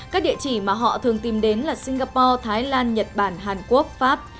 các địa chỉ mà họ thường tìm đến là singapore thái lan nhật bản hàn quốc pháp